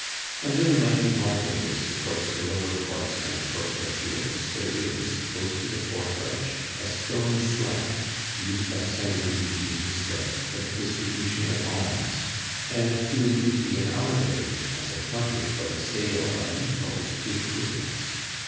Under the mighty vaulting which supports the lower courts and the Court of Appeals there is, close to the fourth arch, a stone slab, used by Saint Louis, it is said, for the distribution of alms, and doing duty in our day as a counter for the sale of eatables to the prisoners.